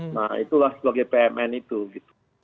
nah itulah sebagai pmn itu gitu